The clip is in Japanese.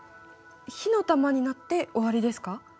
火の玉になって終わりですか？